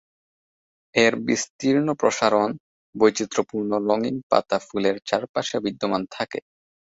এর বিস্তীর্ণ প্রসারণ, বৈচিত্র্যপূর্ণ রঙিন পাতা ফুলের চারপাশে বিদ্যমান থাকে।